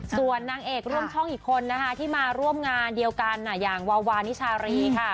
ส่วนนางเอกร่วมช่องอีกคนนะคะที่มาร่วมงานเดียวกันอย่างวาวานิชารีค่ะ